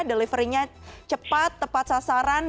delivery nya cepat tepat sasaran